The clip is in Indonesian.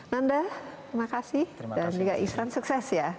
nanda terima kasih dan juga isran sukses ya